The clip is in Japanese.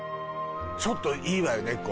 ちょっといいわよね